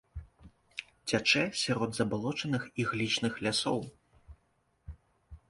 Цячэ сярод забалочаных іглічных лясоў.